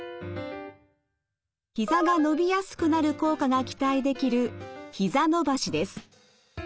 ひざが伸びやすくなる効果が期待できるひざ伸ばしです。